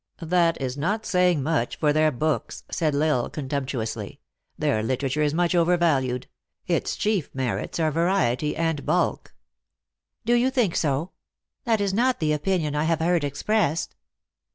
" That is not saying much for their books," said L Isle contemptuously. Their literature is much over valued. Its chief merits are variety and bulk. " Do you think so ? That is not the opinion I have heard expressed."